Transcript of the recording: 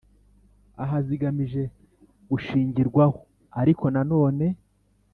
Aha zigamije gushingirwaho ariko na none